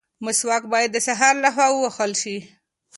مسواک باید د سهار لخوا ووهل شي.